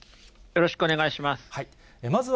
よろしくお願いします。